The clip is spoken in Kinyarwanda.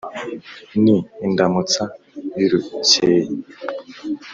ni indamutsa y’urukeye